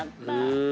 うん。